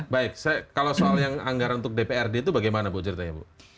baik kalau soal yang anggaran untuk dprd itu bagaimana bu ceritanya bu